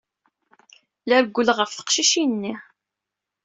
La rewwleɣ ɣef teqcict-nni.